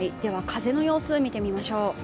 風の様子を見てみましょう。